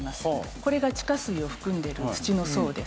これが地下水を含んでる土の層です。